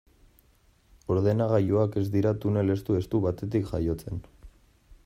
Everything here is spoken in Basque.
Ordenagailuak ez dira tunel estu-estu batetik jaiotzen.